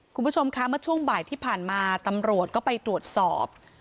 คุณผู้ชมคะเมื่อช่วงบ่ายที่ผ่านมาตำรวจก็ไปตรวจสอบ